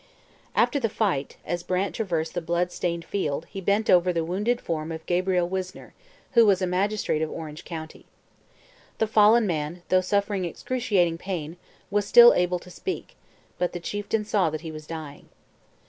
After the fight, as Brant traversed the blood stained field he bent over the wounded form of Gabriel Wisner, who was a magistrate of Orange county. The fallen man, though suffering excruciating pain, was still able to speak, but the chieftain saw that he was dying.